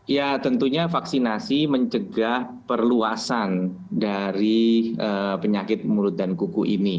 ya tentunya vaksinasi mencegah perluasan dari penyakit mulut dan kuku ini